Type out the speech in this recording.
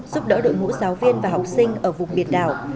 giúp đỡ đội ngũ giáo viên và học sinh ở vùng biển đảo